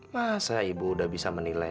masa ibu udah bisa menilai